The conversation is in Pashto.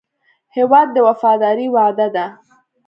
هېواد د وفادارۍ وعده ده.